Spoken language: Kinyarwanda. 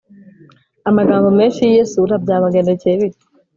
amagambo menshi yiyesura byamugendekeye bite?